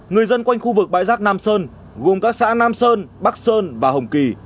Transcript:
người dân quanh khu vực bãi rác nam sơn gồm các xã nam sơn bắc sơn và hồng kỳ